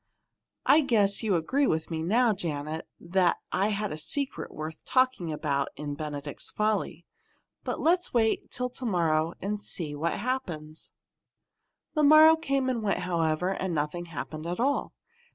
I guess you agree with me now, Janet, that I had a secret worth talking about in 'Benedict's Folly.' But let's wait till to morrow and see what happens." The morrow came and went, however, and nothing happened at all.